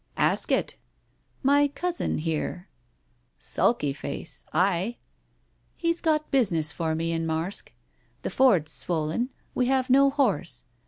"Ask it." " My cousin, here " "Sulky face! Ay." "He's got business for me in Marske. The ford's swollen. We have no horse.